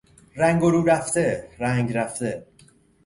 رنگ و رو رفته، رنگ رفته